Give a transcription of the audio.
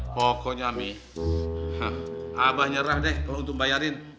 pokoknya mi abah nyerah deh kalau untung bayarin